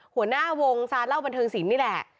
หัวหน้าวงซาเล่าบันเทิงศิลป์นี่แหละ